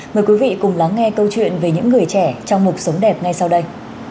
mời quý vị cùng lắng nghe câu chuyện về những người trẻ trong mục sống đẹp ngay sau đây